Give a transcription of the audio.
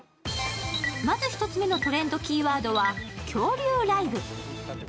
まず一つ目のトレンドキーワードは恐竜ライブ。